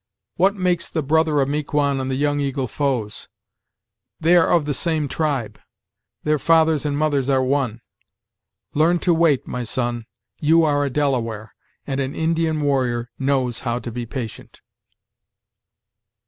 What makes the brother of Miquon and the Young Eagle foes? They are of the same tribe; their fathers and mothers are one. Learn to wait, my son, you are a Delaware, and an Indian warrior knows how to be patient."